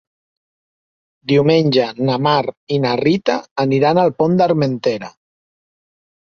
Diumenge na Mar i na Rita aniran al Pont d'Armentera.